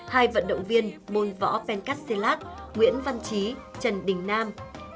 hai vận động viên môn võ pencastelat nguyễn văn trí trần đình nam